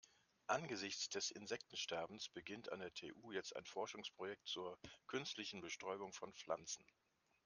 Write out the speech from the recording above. Angesichts des Insektensterbens beginnt an der TU jetzt ein Forschungsprojekt zur künstlichen Bestäubung von Pflanzen.